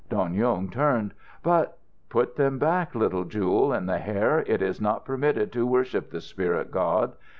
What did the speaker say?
Dong Yung turned. "But " "Put them back, little Jewel in the Hair. It is not permitted to worship the spirit God.